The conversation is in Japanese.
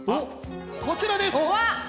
こちらです！